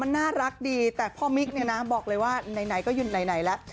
น่ารักดีแต่พ่อมิ๊กเนี่ยนะบอกเลยว่าไหนก็หยุดไหนแล้ว